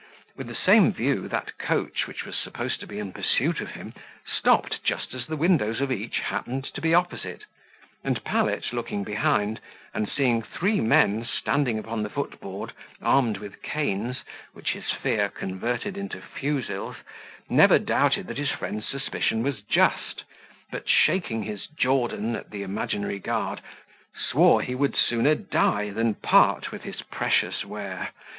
With the same view, that coach, which was supposed to be in pursuit of him, stopped just as the windows of each happened to be opposite; and Pallet, looking behind, and seeing three men standing upon the footboard armed with canes, which his fear converted into fusils, never doubted that his friend's suspicion was just, but, shaking his Jordan at the imaginary guard, swore he would sooner die than part with his precious ware.